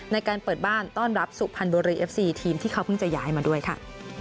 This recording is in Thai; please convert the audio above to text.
ในการเปิดบ้านต้อนรับสุพรรณบุรีเอฟซีทีมที่เขาเพิ่งจะย้ายมาด้วยค่ะ